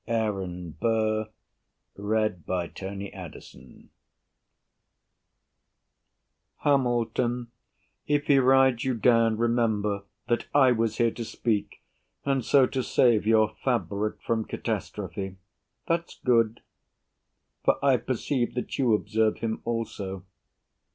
BURR Hamilton, if he rides you down, remember That I was here to speak, and so to save Your fabric from catastrophe. That's good; For I perceive that you observe him also.